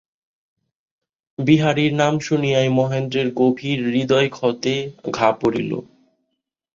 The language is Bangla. বিহারীর নাম শুনিয়াই মহেন্দ্রের গভীর হৃদয়ক্ষতে ঘা পড়িল।